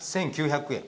１，９００円